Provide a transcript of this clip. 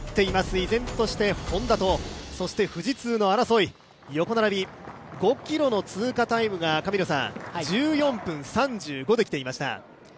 依然としてＨｏｎｄａと富士通の争い横並び、５ｋｍの通過タイムが１４分３５できていました。